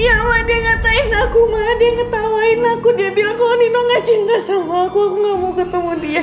ya awal dia ngatain aku mana dia ngetawain aku dia bilang kalau nino gak cinta sama aku gak mau ketemu dia